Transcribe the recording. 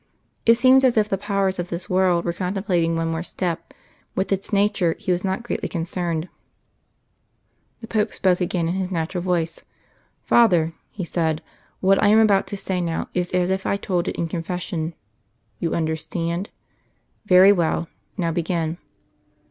It seemed as if the powers of this world were contemplating one more step with its nature he was not greatly concerned. The Pope spoke again in His natural voice. "Father," he said, "what I am about to say now is as if I told it in confession. You understand? Very well. Now begin."